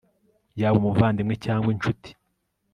yaba umuvandimwe cyangwa incuti